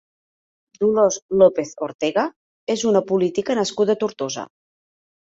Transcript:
Dolors López Ortega és una política nascuda a Tortosa.